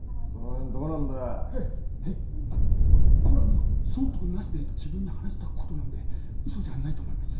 へぇこれは損得なしで自分に話したことなんでうそじゃないと思います。